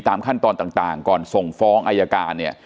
ขั้นตอนต่างก่อนส่งฟ้องอายการเนี่ย